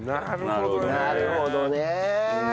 なるほどね。